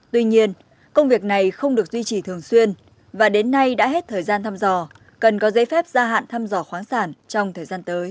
tuy nhiên công việc này không được duy trì thường xuyên và đến nay đã hết thời gian thăm dò cần có giấy phép gia hạn thăm dò khoáng sản trong thời gian tới